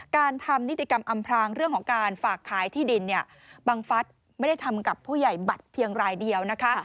การทำนิติกรรมอำพรางเรื่องของการฝากขายที่ดินเนี่ยบังฟัฐไม่ได้ทำกับผู้ใหญ่บัตรเพียงรายเดียวนะคะ